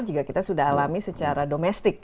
juga kita sudah alami secara domestik